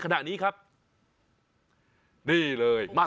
แก้ปัญหาผมร่วงล้านบาท